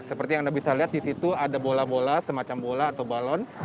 seperti yang anda bisa lihat di situ ada bola bola semacam bola atau balon